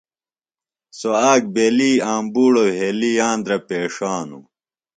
سوۡ اکہ بیلیۡ آمبُوڑو وھیلیۡ یاندرہ پیݜانوۡ۔